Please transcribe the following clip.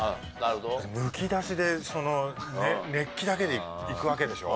むき出しで熱気だけで行くわけでしょ？